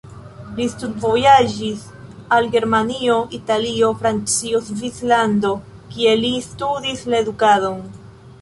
Li studvojaĝis al Germanio, Italio, Francio, Svislando, kie li studis la edukadon.